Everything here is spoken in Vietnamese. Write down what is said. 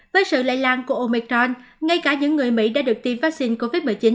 với sự lây lan của omicron ngay cả những người mỹ đã được tiêm vaccine covid một mươi chín